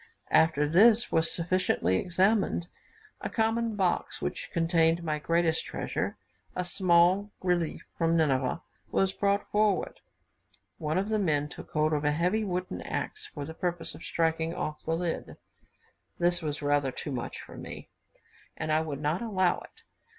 After this was sufficiently examined, a common box, which contained my greatest treasure, a small relief from Nineveh, was brought forward. One of the men took hold of a heavy wooden axe, for the purpose of striking off the lid. This was rather too much for me, and I would not allow it.